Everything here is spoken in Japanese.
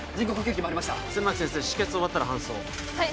止血終わったら搬送はい！